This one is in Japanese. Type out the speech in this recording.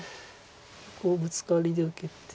ここをブツカリで受けて。